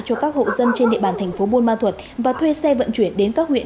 cho các hộ dân trên địa bàn tp buôn ma thuật và thuê xe vận chuyển đến các huyện